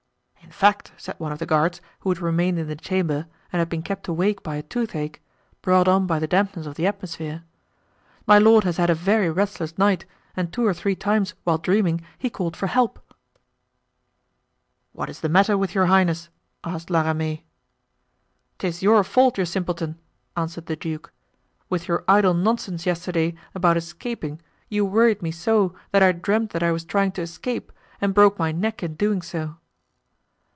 "In fact," said one of the guards who had remained in the chamber and had been kept awake by a toothache, brought on by the dampness of the atmosphere, "my lord has had a very restless night and two or three times, while dreaming, he called for help." "What is the matter with your highness?" asked La Ramee. "'Tis your fault, you simpleton," answered the duke. "With your idle nonsense yesterday about escaping, you worried me so that I dreamed that I was trying to escape and broke my neck in doing so."